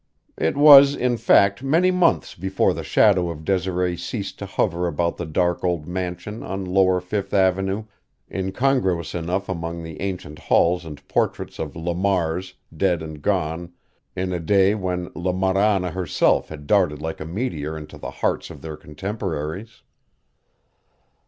It was, in fact, many months before the shadow of Desiree ceased to hover about the dark old mansion on lower Fifth Avenue, incongruous enough among the ancient halls and portraits of Lamars dead and gone in a day when La Marana herself had darted like a meteor into the hearts of their contemporaries.